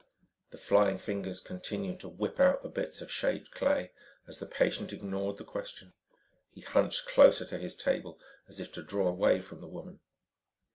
The flying fingers continued to whip out the bits of shaped clay as the patient ignored the question. He hunched closer to his table as if to draw away from the woman.